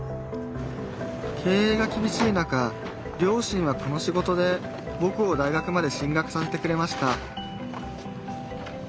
経営がきびしい中両親はこの仕事でぼくを大学まで進学させてくれました